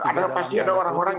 ada pasti ada orang orang